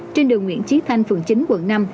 trên đường nguyễn chí thanh phường chín quận năm